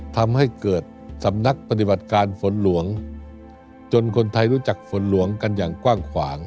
ทำให้เกิดสำนักปฏิบัติการฝนหลวงจนคนไทยรู้จักฝนหลวงกันอย่างกว้างขวาง